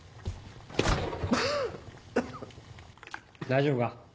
大丈夫か？